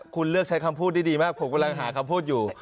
คุณเลือกใช้คำพูดดีมาเวลาหาคำพูดอยู่